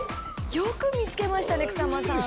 よく見つけましたね草間さん。